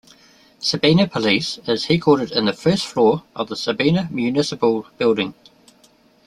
Sabina Police is headquartered in the first floor of the Sabina Municipal Building.